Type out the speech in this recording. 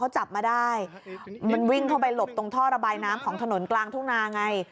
จับมาได้มันวิ่งเข้าไปหลบตรงท่อระบายน้ำของถนนกลางทุ่งนาไง